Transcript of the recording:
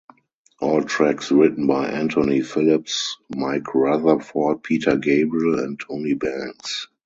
All tracks written by Anthony Phillips, Mike Rutherford, Peter Gabriel and Tony Banks.